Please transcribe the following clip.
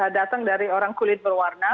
datang dari orang kulit berwarna